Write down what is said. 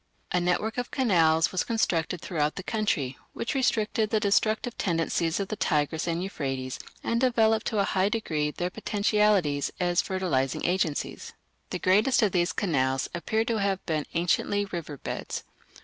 A network of canals was constructed throughout the country, which restricted the destructive tendencies of the Tigris and Euphrates and developed to a high degree their potentialities as fertilizing agencies. The greatest of these canals appear to have been anciently river beds.